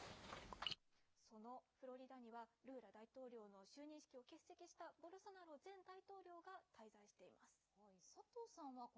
そのフロリダには、ルーラ大統領の就任式を欠席した前大統領が滞在しています。